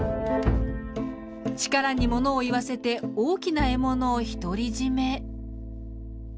力にものを言わせて大きな獲物を独り占め。